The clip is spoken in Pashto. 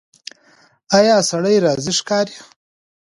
ایا سړی راضي ښکاري؟